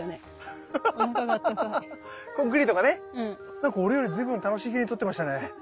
なんか俺より随分楽しげに撮ってましたね。